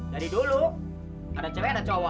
dari dulu ada cewek dan cowok